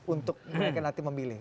untuk mereka nanti memilih